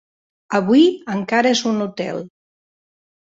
Avui encara és un hotel.